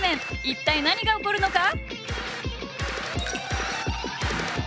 一体何が起こるのか？